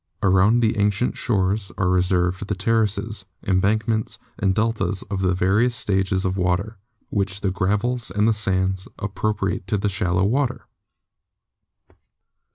Around the ancient shores are reserved the terraces, embank ments and deltas of the various stages of water, with the gravels and sands appropriate to the shallow water.